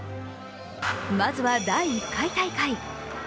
まずは第１回大会。